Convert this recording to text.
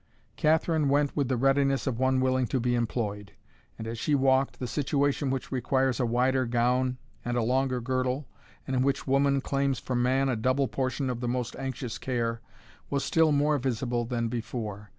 Catherine went with the readiness of one willing to be employed; and as she walked, the situation which requires a wider gown and a longer girdle, and in which woman claims from man a double portion of the most anxious care, was still more visible than before.